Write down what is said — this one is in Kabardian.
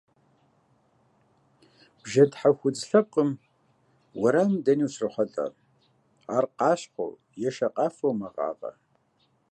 Бжэнтхьэху удз лъэпкъым уэрамым дэни ущрохьэлӏэ, ар къащхъуэу е шакъафэу мэгъагъэ.